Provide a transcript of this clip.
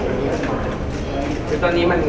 พวกมันจัดสินค้าที่๑๙นาที